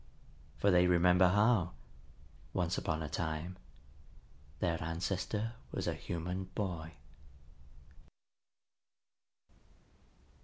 For they remember how, once upon a time, their ancestor was a human boy.